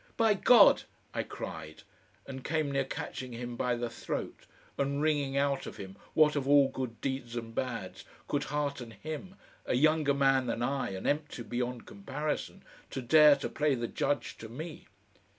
"By God!" I cried, and came near catching him by the throat and wringing out of him what of all good deeds and bad, could hearten him, a younger man than I and empty beyond comparison, to dare to play the judge to me.